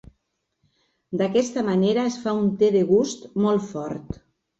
D'aquesta manera es fa un te de gust molt fort.